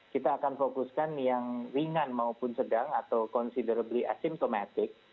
kita akan fokuskan yang ringan maupun sedang atau considerably asimptomatic